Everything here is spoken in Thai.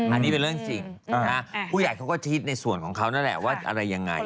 อันนี้เป็นเรื่องจริงผู้ใหญ่เขาก็คิดในส่วนของเขานั่นแหละว่าอะไรยังไง